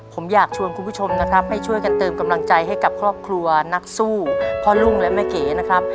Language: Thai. ผมอยากชวนคุณผู้ชมนะครับให้ช่วยกันเติมกำลังใจให้กับครอบครัวนักสู้พ่อลุงและแม่เก๋นะครับ